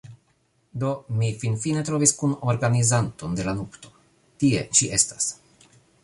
Do, mi finfine trovis kunorganizanton de la nupto tie ŝi estas